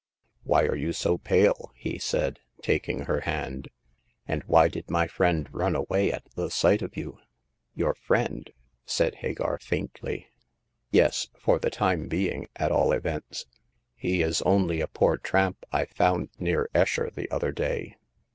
'* Why are you so pale?" he said, taking her hand ;and why did my friend run away at the sight of you V* Your friend ?" said Hagar, faintly. Yes ; for the time being at all events. He is only a poor tramp I found near Esher the other day.